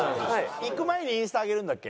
行く前にインスタ上げるんだっけ？